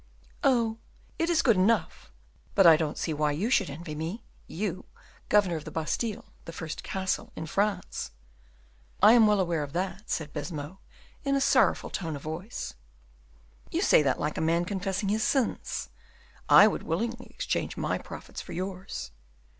"Oh, it is good enough; but I don't see why you should envy me; you, governor of the Bastile, the first castle in France." "I am well aware of that," said Baisemeaux, in a sorrowful tone of voice. "You say that like a man confessing his sins. I would willingly exchange my profits for yours."